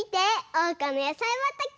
おうかのやさいばたけ！